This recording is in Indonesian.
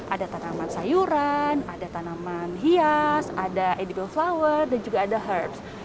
ada tanaman sayuran ada tanaman hias ada edible flower dan juga ada herbs